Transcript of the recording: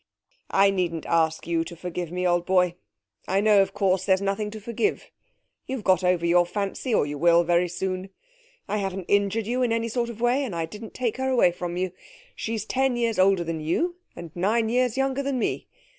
I needn't ask you to forgive me, old boy. I know, of course, there's nothing to forgive. You've got over your fancy, or you will very soon. I haven't injured you in any sort of way, and I didn't take her away from you. She's ten years older than you, and nine years younger than me....